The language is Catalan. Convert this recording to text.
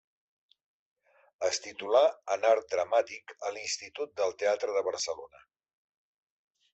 Es titulà en Art Dramàtic a l'Institut del Teatre de Barcelona.